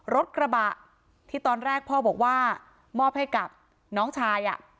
รถกระบะที่ตอนแรกพ่อบอกว่ามอบให้กับน้องชาย